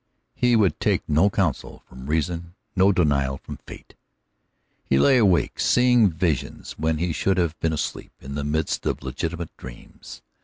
He would take no counsel from reason, no denial from fate. He lay awake seeing visions when he should have been asleep in the midst of legitimate dreams.